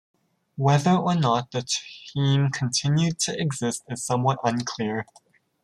Whether or not the team continued to exist is somewhat unclear.